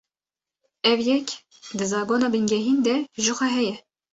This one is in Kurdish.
Ev yek, di zagona bingehîn de jixwe heye